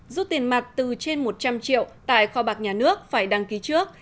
rút tiền mặt từ trên một trăm linh triệu tại kho bạc nhà nước phải đăng ký trước